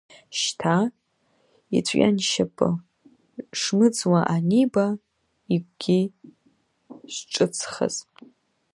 Шьҭа иҵәҩаншьапы шмыӡуа аниба, игәгьы шҿыцхаз.